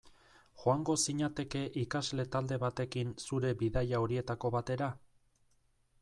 Joango zinateke ikasle talde batekin zure bidaia horietako batera?